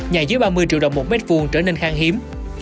nhà dưới ba mươi triệu đồng một mét vuông trở nên khang hiếm